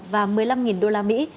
và một mươi năm đô la mỹ